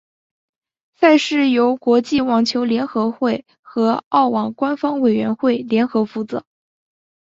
赛事由国际网球联合会和澳网官方委员会联合负责。